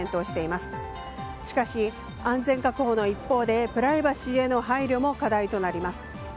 しかし、安全確保の一方でプライバシーへの配慮も課題となります。